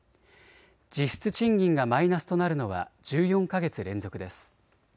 実質賃金がマイナスとなるのは１４か月連続です。